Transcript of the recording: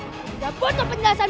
tidak butuh penjelasan